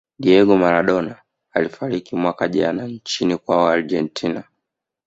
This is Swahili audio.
diego maradona alifariki mwaka jana nchini kwao argentina